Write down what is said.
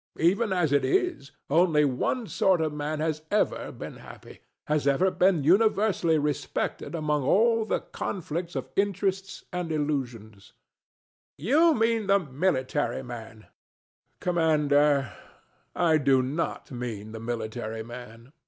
Even as it is, only one sort of man has ever been happy, has ever been universally respected among all the conflicts of interests and illusions. THE STATUE. You mean the military man. DON JUAN. Commander: I do not mean the military man.